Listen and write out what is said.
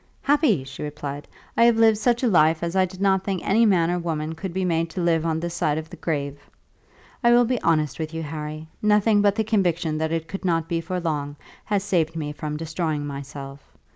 "Happy!" she replied. "I have lived such a life as I did not think any man or woman could be made to live on this side the grave. I will be honest with you, Harry. Nothing but the conviction that it could not be for long has saved me from destroying myself.